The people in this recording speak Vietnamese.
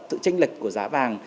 sự tranh lệch của giá vàng